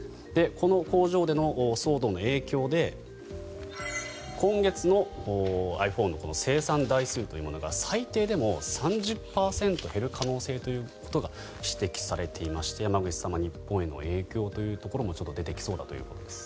この工場での騒動の影響で今月のｉＰｈｏｎｅの生産台数というものが最低でも３０％減る可能性が指摘されていまして山口さん日本への影響というところも出てきそうだということです。